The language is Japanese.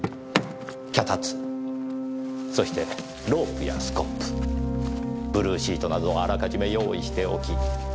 脚立そしてロープやスコップブルーシートなどをあらかじめ用意しておき。